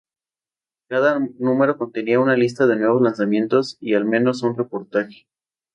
Cada número contenía una lista de nuevos lanzamientos y al menos un reportaje.